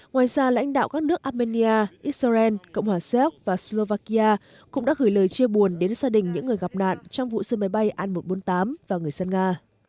ngoài ra lãnh đạo các nước armenia israel cộng hòa xéc và slovakia cũng đã gửi lời chia buồn đến gia đình những người gặp nạn trong vụ sư máy bay an một trăm bốn mươi tám và người dân nga